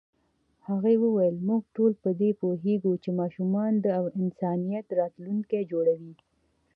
هغې وویل موږ ټول په دې پوهېږو چې ماشومان د انسانیت راتلونکی جوړوي.